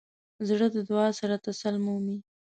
زړه د دعا سره تسل مومي.